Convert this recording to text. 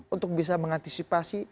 untuk bisa mengantisipasi